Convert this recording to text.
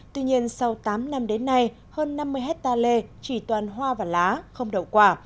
tuy nhiên sau tám năm đến nay hơn năm mươi hectare lê chỉ toàn hoa và lá không đậu quả